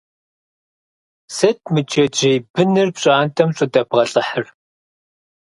Сыт мы джэджьей быныр пщӀантӀэм щӀыдэбгъэлӀыхьыр?